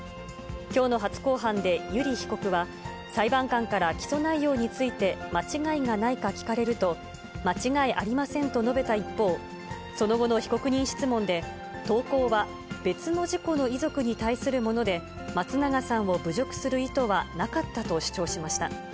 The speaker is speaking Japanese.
きょうの初公判で、油利被告は、裁判官から起訴内容について間違いがないか聞かれると、間違いありませんと述べた一方、その後の被告人質問で、投稿は、別の事故の遺族に対するもので、松永さんを侮辱する意図はなかったと主張しました。